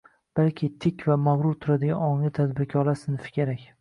balki tik va mag‘rur turadigan ongli tadbirkorlar sinfi kerak.